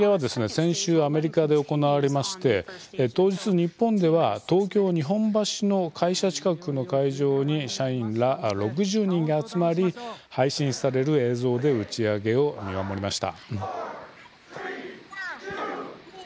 先週アメリカで行われまして当日、日本では東京・日本橋の会社近くの会場に社員ら６０人が集まり配信される映像で打ち上げを見守りました。